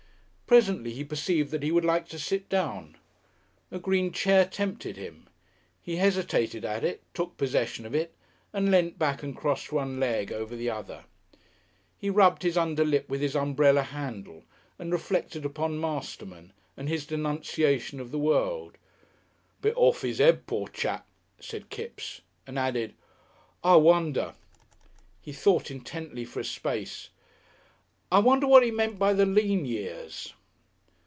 Presently he perceived that he would like to sit down; a green chair tempted him. He hesitated at it, took possession of it, and leant back and crossed one leg over the other. He rubbed his under lip with his umbrella handle and reflected upon Masterman and his denunciation of the world. "Bit orf 'is 'ead, poor chap," said Kipps, and added: "I wonder." He thought intently for a space. "I wonder what he meant by the lean years?"